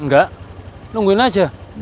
enggak nungguin aja